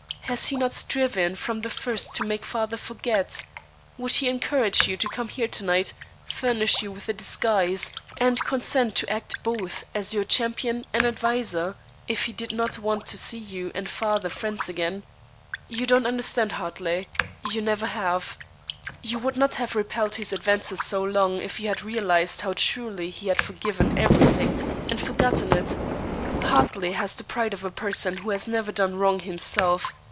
Has he not striven from the first to make father forget? Would he encourage you to come here to night, furnish you with a disguise, and consent to act both as your champion and adviser, if he did not want to see you and father friends again? You don't understand Hartley; you never have. You would not have repelled his advances so long, if you had realized how truly he had forgiven every thing and forgotten it. Hartley has the pride of a person who has never done wrong himself.